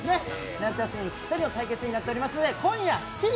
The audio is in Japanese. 夏休みにぴったりの対決になっていますので今夜７時。